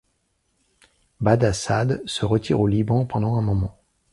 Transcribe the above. Baba Saad se retire au Liban pendant un moment.